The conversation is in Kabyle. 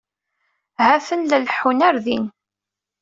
Ha-t-en la leḥḥun ar din.